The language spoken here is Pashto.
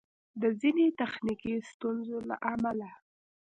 د ځیني تخنیکي ستونزو له امله